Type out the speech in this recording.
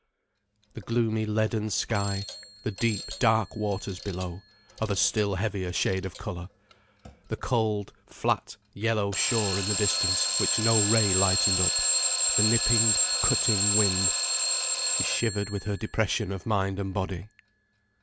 The gloomy leaden sky, the deep, dark waters below, of a still heavier shade of colour, the cold, flat yellow shore in the distance, which no ray lightened up, the nipping, cutting wind. She shivered with her depression of mind and body.